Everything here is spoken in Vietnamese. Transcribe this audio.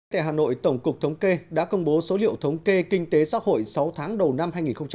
tại hà nội tổng cục thống kê đã công bố số liệu thống kê kinh tế xã hội sáu tháng đầu năm hai nghìn hai mươi